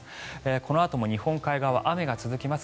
このあとも日本海側は雨が続きます。